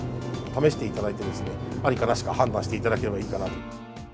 試していただいて、ありかなしか判断していただければいいかなと。